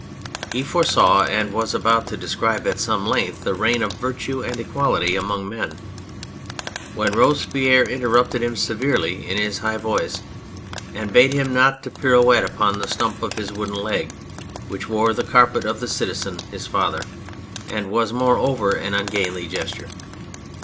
He foresaw and was about to describe at some length the reign of Virtue and Equality among men, when Robespierre interrupted him severely in his high voice and bade him not to pirouette upon the stump of his wooden leg, which wore the carpet of the Citizen his father, and was, moreover, an un gainly gesture.